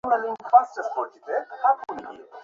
ভালো হবার আগ পর্যন্ত।